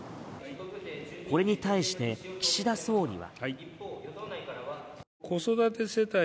これに対して岸田総理は。